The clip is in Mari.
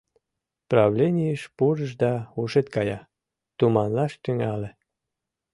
Правленийыш пурыш да, ушет кая, туманлаш тӱҥале.